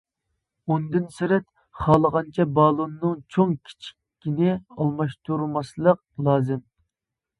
ئۇندىن سىرت، خالىغانچە بالوننىڭ چوڭ كىچىكىنى ئالماشتۇرماسلىق لازىم.